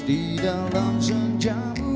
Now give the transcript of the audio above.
di dalam senjam